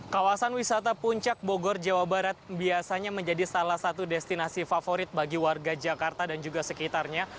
kawasan wisata puncak bogor jawa barat biasanya menjadi salah satu destinasi favorit bagi warga jakarta dan juga sekitarnya